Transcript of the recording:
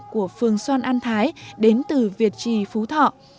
của phường xoan an thái đến từ việt trì phú thọ